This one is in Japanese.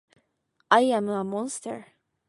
アイアムアモンスター